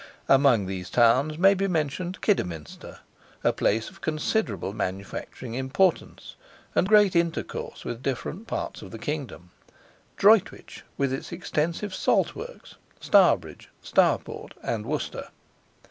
Among these towns may be mentioned Kidderminster, a place of considerable manufacturing importance, and great intercourse with different parts of the kingdom; Droitwich, with its extensive salt works; Stourbridge, Stourport and Worcester.